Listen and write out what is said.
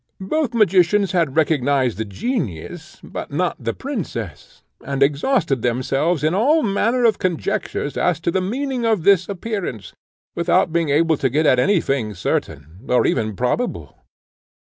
Both magicians had recognised the genius, but not the princess, and exhausted themselves in all manner of conjectures as to the meaning of this appearance, without being able to get at any thing certain, or even probable.